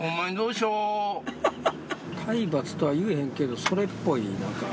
体罰とは言えへんけどそれっぽい何か。